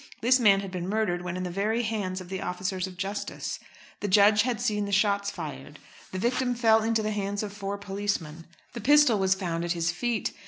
This man had been murdered when in the very hands of the officers of justice. The judge had seen the shots fired. The victim fell into the hands of four policemen. The pistol was found at his feet.